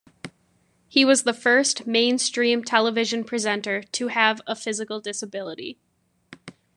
He was the first mainstream television presenter to have a physical disability.